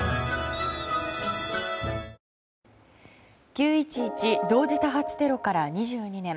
９・１１同時多発テロから２２年。